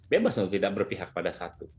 bebas untuk tidak berpihak pada satu